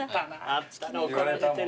あったな怒られてるわ。